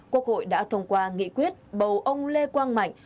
quốc hội đã thông qua nghị quyết bầu ông lê quang mạnh